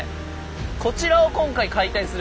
こちらを今回解体する？